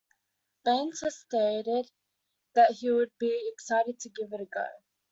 Baines has stated that he would be "excited to give it a go".